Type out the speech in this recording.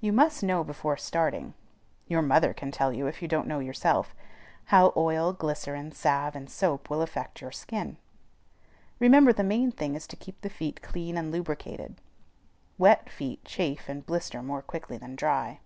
You must know before starting your mother can tell you if you don't know yourself how oil, glycerine, salve, and soap will affect your skin. Remember, the main thing is to keep the feet clean and lubricated. Wet feet chafe and blister more quickly than dry.